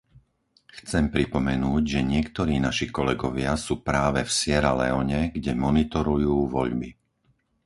Chcem pripomenúť, že niektorí naši kolegovia sú práve v Sierra Leone, kde monitorujú voľby.